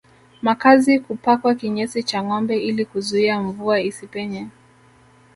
Makazi kupakwa kinyesi cha ngombe ili kuzuia mvua isipenye